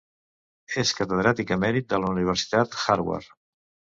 És catedràtic emèrit de la Universitat Harvard.